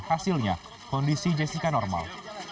hasilnya kondisi jessica normal